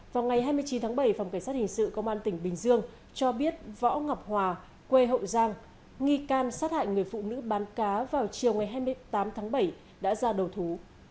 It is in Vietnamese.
vào ngày hai mươi chín tháng bảy phòng cảnh sát hình sự công an tỉnh bình dương cho biết võ ngọc hòa quê hậu giang nghi can sát hại người phụ nữ bán cá vào chiều ngày hai mươi tám tháng bảy đã ra đầu thú